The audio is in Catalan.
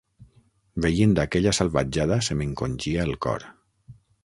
Veient aquella salvatjada, se m'encongia el cor.